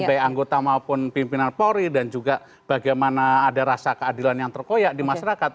baik anggota maupun pimpinan polri dan juga bagaimana ada rasa keadilan yang terkoyak di masyarakat